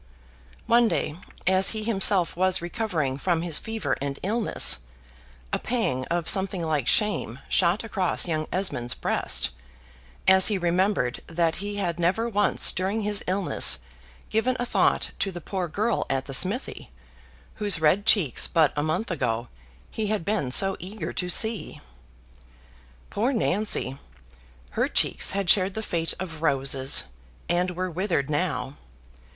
One day, as he himself was recovering from his fever and illness, a pang of something like shame shot across young Esmond's breast, as he remembered that he had never once during his illness given a thought to the poor girl at the smithy, whose red cheeks but a month ago he had been so eager to see. Poor Nancy! her cheeks had shared the fate of roses, and were withered now.